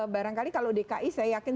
barangkali kalau dki saya yakin